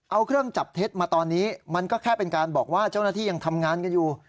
เอาเครื่องจับเท็จมาตอนนี้มันก็แค่เป็นการบอกว่าเจ้าหน้าที่ยังทำงานกันอยู่